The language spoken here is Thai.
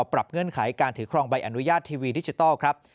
เงื่อนไขการถือครองใบอนุญาตทีวีดิจิทัลครับ